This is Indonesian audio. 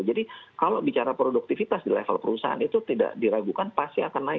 jadi kalau bicara produktivitas di level perusahaan itu tidak diragukan pasti akan naik